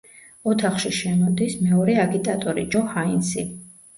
ოთახში შემოდის, მეორე აგიტატორი, ჯო ჰაინსი.